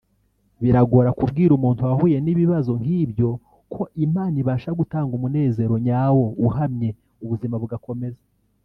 Biragora kubwira umuntu wahuye n’ibibazo nk’ibyo ko Imana ibasha gutanga umunezero nyawo uhamye ubuzima bugakomeza